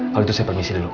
kalau itu saya permisi dulu